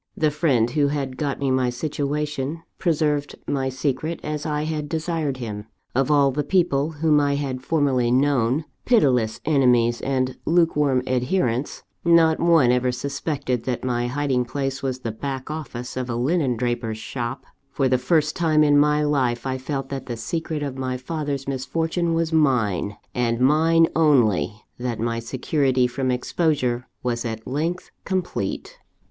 The friend who had got me my situation, preserved my secret as I had desired him; of all the people whom I had formerly known, pitiless enemies and lukewarm adherents, not one ever suspected that my hiding place was the back office of a linen draper's shop. For the first time in my life, I felt that the secret of my father's misfortune was mine, and mine only; that my security from exposure was at length complete.